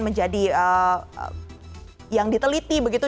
menjadi yang diteliti begitu